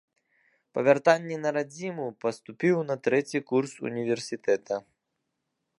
Па вяртанні на радзіму паступіў на трэці курс універсітэта.